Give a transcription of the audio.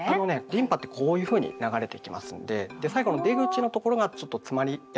リンパってこういうふうに流れていきますんで最後の出口のところがちょっと詰まりやすいんですよね。